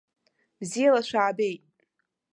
Бзиала шәабеит!